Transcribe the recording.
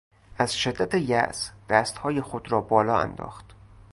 از شدت یاس دستهای خود را بالا انداخت.